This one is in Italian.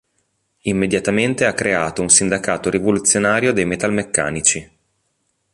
Immediatamente ha creato un sindacato rivoluzionario dei metalmeccanici.